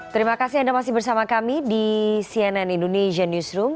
terima kasih anda masih bersama kami di cnn indonesia newsroom